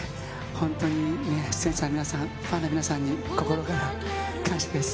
本当にね、出演者の皆さん、ファンの皆さんに心から感謝です。